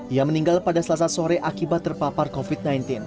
ia meninggal pada selasa sore akibat terpapar covid sembilan belas